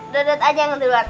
dated aja yang duluan